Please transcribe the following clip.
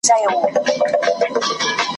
هسي نه چي د زمان خزان دي یوسي `